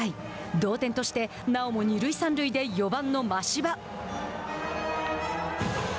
同点として、なおも二塁三塁で４番の真柴。